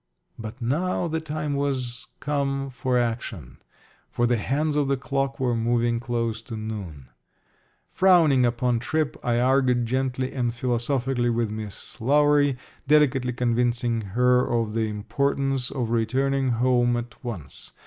But now the time was come for action, for the hands of the clock were moving close to noon. Frowning upon Tripp, I argued gently and philosophically with Miss Lowery, delicately convincing her of the importance of returning home at once.